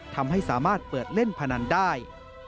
ทำให้สามารถเปิดเล่นพนันได้